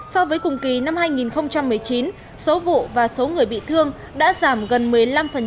so với cùng kỳ năm hai nghìn một mươi chín số vụ và số người bị thương đã giảm gần một mươi năm